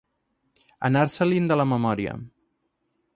Anar-se-li'n de la memòria.